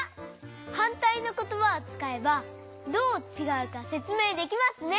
はんたいのことばをつかえばどうちがうかせつめいできますね。